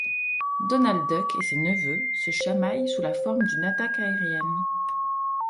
Donald Duck et ses neveux se chamaillent sous la forme d'une attaque aérienne.